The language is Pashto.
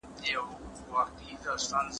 احمق خلګ تل په تسو وعدو باور کوي.